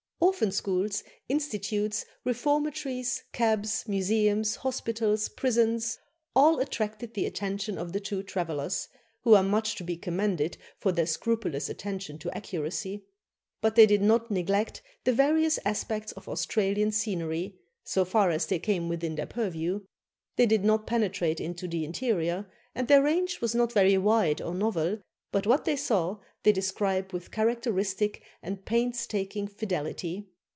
Orphan schools, institutes, reformatories, cabs, museums, hospitals, prisons all attracted the attention of the two travellers, who are much to be commended for their scrupulous attention to accuracy. But they did not neglect the various aspects of Australian scenery, so far as they came within their purview. They did not penetrate into the interior, and their range was not very wide or novel, but what they saw they describe with characteristic and pains taking fidelity.